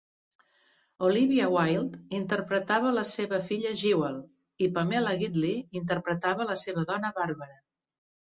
Olivia Wilde interpretava la seva filla Jewel i Pamela Gidley interpretava la seva dona Barbara.